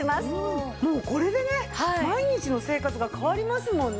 もうこれでね毎日の生活が変わりますもんね。